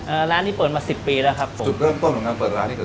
ร้านนี้เปิดมาสิบปีแล้วครับผมจุดเริ่มต้นของการเปิดร้านนี่คือ